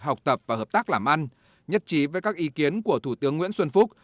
học tập và hợp tác làm ăn nhất trí với các ý kiến của thủ tướng nguyễn xuân phúc